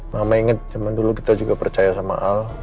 mama inget zaman dulu kita juga percaya sama al